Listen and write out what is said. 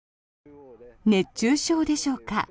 熱中症でしょうか。